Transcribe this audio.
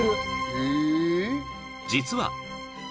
［実は］